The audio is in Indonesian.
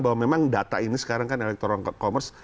bahwa memang data ini sekarang kan electoral commerce